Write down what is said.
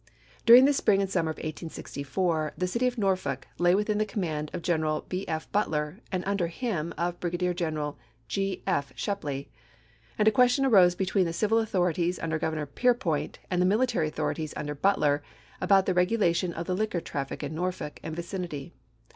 During the spring and summer of 1864 the city of Norfolk lay within the command of General B. F. Butler, and, under him, of Brigadier General G. F. Shepley ; and a question arose between the civil authorities under Governor Peirpoint, and the military authorities under Butler, about the regu lation of the liquor traffic in Norfolk and vicinity.